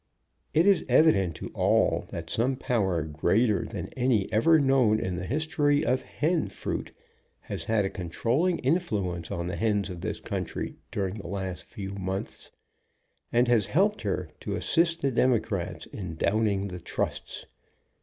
It is evident to all that some power greater than any ever known in the history of hen fruit has had a controlling influence on the hens of this country during the last few months, and has helped her to assist the democrats in downing the trusts.